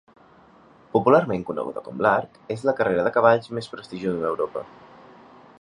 Popularment coneguda com l'"Arc", és la carrera de cavalls més prestigiosa d'Europa.